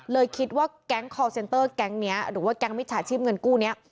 คิดว่าแก๊งคอร์เซนเตอร์แก๊งนี้หรือว่าแก๊งมิจฉาชีพเงินกู้นี้